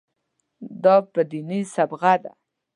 دا په دیني صبغه ده.